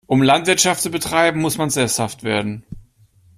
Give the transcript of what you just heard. Um Landwirtschaft zu betreiben, muss man sesshaft werden.